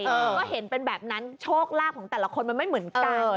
ก็เห็นเป็นแบบนั้นโชคลาภของแต่ละคนมันไม่เหมือนกัน